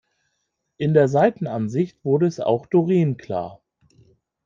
In der Seitenansicht wurde es auch Doreen klar.